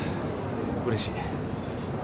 うれしい。